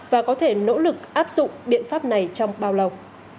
và có thể nỗ lực áp dụng biện pháp này trong bao lâu